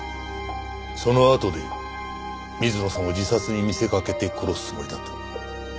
そのあとで水野さんを自殺に見せかけて殺すつもりだったのか。